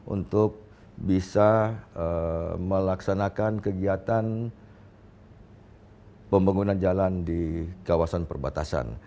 untuk bisa melaksanakan kegiatan pembangunan jalan di kawasan perbatasan